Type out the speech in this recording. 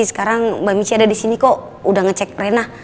sekarang mbak michi ada di sini kok udah ngecek rennah